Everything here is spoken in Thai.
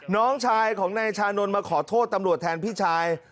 น้องชายของนายชานนท์มาขอโทษตำรวจแทนพี่ชาย